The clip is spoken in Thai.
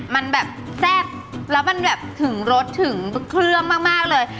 มันแบบแซ่บแล้วมันแบบถึงรสถึงเครื่องมากเลย